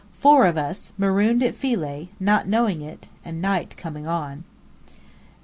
Four of us, marooned at Philae, not knowing it, and night coming on.